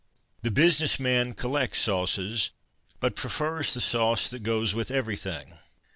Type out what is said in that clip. The business man collects sauces, but prefers the sauce that goes with everything.